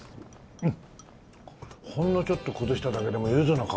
うん。